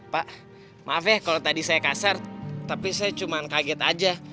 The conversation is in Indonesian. pak maaf ya kalau tadi saya kasar tapi saya cuma kaget aja